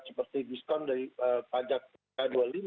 seperti diskon dari pajak a dua puluh lima